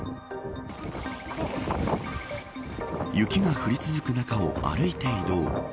雪が降り続く中を歩いて移動。